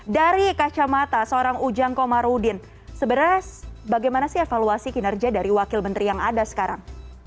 dari kacamata seorang ujang komarudin sebenarnya bagaimana sih evaluasi kinerja dari wakil menteri yang ada sekarang